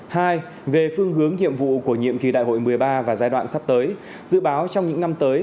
hai về phương hướng nhiệm vụ của nhiệm kỳ đại hội một mươi ba và giai đoạn sắp tới dự báo trong những năm tới